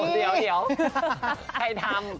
เดี๋ยวใครทำ